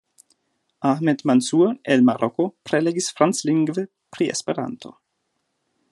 Ahmed Mansur el Maroko prelegis franclingve pri Esperanto.